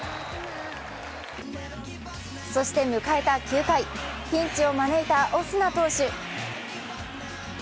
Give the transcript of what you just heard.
そして迎えた９回、ピンチを招いたオスナ投手。